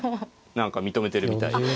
何か認めてるみたいで。